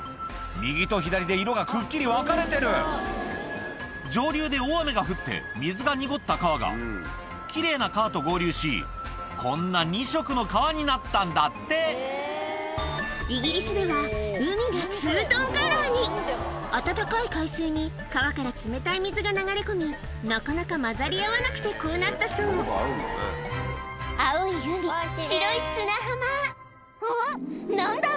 右と左で色がくっきり分かれてる上流で大雨が降って水が濁った川が奇麗な川と合流しこんな２色の川になったんだってイギリスでは海がツートンカラーに暖かい海水に川から冷たい水が流れ込みなかなか混ざり合わなくてこうなったそう青い海白い砂浜あっ何だ？